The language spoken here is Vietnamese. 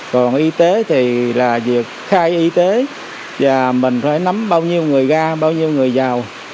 còn y tế thì là việc khai y tế và mình phải nắm bao nhiêu người ra bao nhiêu người vào